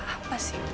apa sih pak